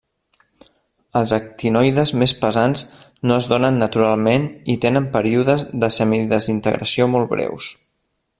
Els actinoides més pesants no es donen naturalment i tenen períodes de semidesintegració molt breus.